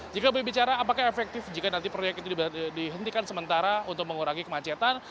jika berbicara apakah efektif jika nanti proyek itu dihentikan sementara untuk mengurangi kemacetan